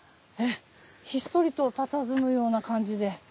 ひっそりとたたずむような感じで。